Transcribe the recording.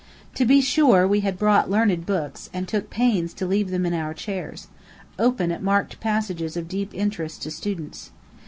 To be sure, we had brought learned books, and took pains to leave them in our chairs, open at marked passages of deep interest to students.